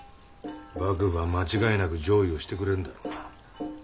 幕府は間違いなく攘夷をしてくれるんだろうな？